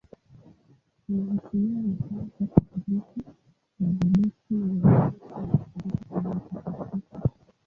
Anaheshimiwa na Kanisa Katoliki, Waorthodoksi na Waorthodoksi wa Mashariki kama mtakatifu.